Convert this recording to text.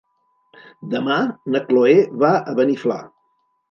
Demà na Cloè va a Beniflà.